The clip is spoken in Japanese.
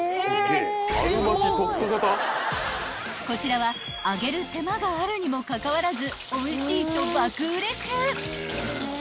［こちらは揚げる手間があるにもかかわらずおいしいと爆売れ中！］